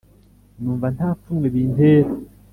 numva nta pfunwe bintera,